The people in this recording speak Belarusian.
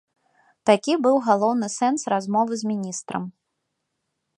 Такі быў галоўны сэнс размовы з міністрам.